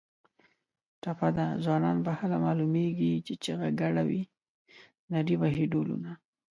ټپه ده: ځوانان به هله معلومېږي چې چیغه ګډه وي نري وهي ډولونه